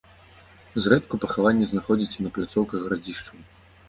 Зрэдку пахаванні знаходзяць і на пляцоўках гарадзішчаў.